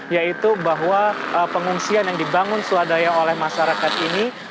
yaitu bahwa pengungsian yang dibangun swadaya oleh masyarakat ini